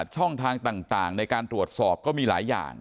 ช่องทางต่างในการตรวจสอบก็มีหลายอย่าง